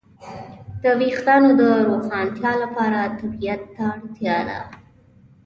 د وېښتیانو د روښانتیا لپاره طبيعت ته اړتیا ده.